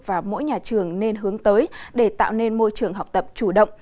và mỗi nhà trường nên hướng tới để tạo nên môi trường học tập chủ động